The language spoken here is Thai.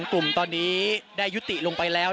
ไม่ทราบว่าตอนนี้มีการถูกยิงด้วยหรือเปล่านะครับ